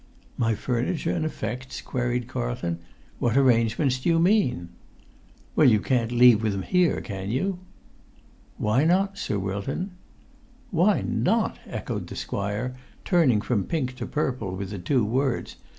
"My furniture and effects?" queried Carlton. "What arrangements do you mean?" "Well, you can't leave them here, can you?" "Why not, Sir Wilton?" "Why not!" echoed the squire, turning from pink to purple with the two words.